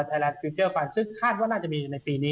ไทยรัฐฟิลเจอร์ฟังซึ่งคาดว่าน่าจะมีในปีนี้